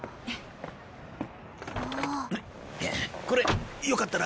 これよかったら食べて。